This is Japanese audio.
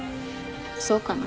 そうかな。